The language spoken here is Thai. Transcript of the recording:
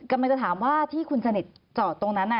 กำลังจะถามว่าที่คุณสนิทจอดตรงนั้น